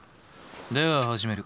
では始める。